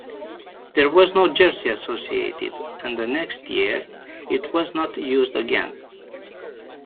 There was no jersey associated, and the next year it was not used again.